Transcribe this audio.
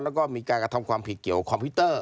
แล้วก็มีการกระทำความผิดเกี่ยวคอมพิวเตอร์